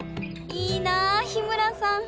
いいなあ日村さん。